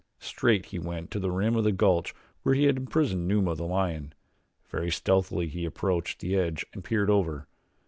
Straight he went to the rim of the gulch where he had imprisoned Numa, the lion. Very stealthily he approached the edge and peered over.